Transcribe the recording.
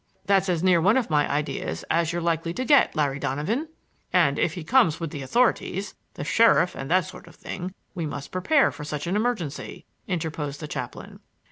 "That's as near one of my ideas as you're likely to get, Larry Donovan!" "And if he comes with the authorities,—the sheriff and that sort of thing,—we must prepare for such an emergency," interposed the chaplain.